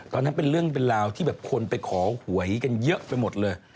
ตอนนั้นเป็นเรื่องเป็นราวที่แบบคนไปขอหวยกันเยอะไปหมดเลย